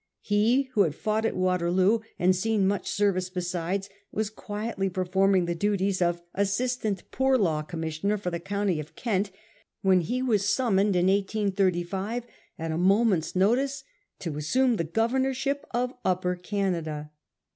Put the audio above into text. He who had fought at Waterloo and seen much service besides, was quietly performing the duties of As sistant Poor Law Commissioner for the county of Kent, when he was summoned, in 1835, at a moment's notice, to assume the governorship of Upper Canada.